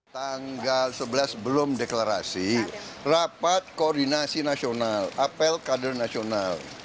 tanggal sebelas belum deklarasi rapat koordinasi nasional apel kader nasional